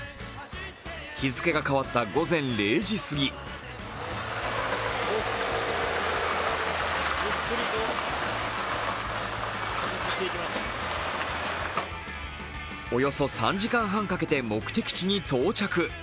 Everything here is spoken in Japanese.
日付が変わった午前０時すぎおよそ３時間半かけて目的地に到着。